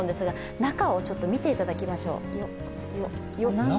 中を見ていただきましょう。